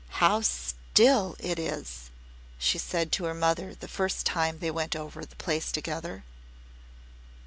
"How STILL it is," she said to her mother the first time they went over the place together.